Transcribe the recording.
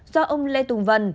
do ông lê tùng vân